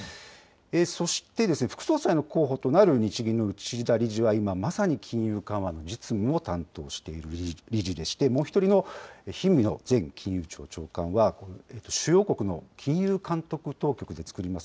そして副総裁の候補となる日銀の内田理事は、今まさに金融緩和の実務を担当している理事でして、もう１人の氷見野前金融庁長官は、主要国の金融監督当局で作ります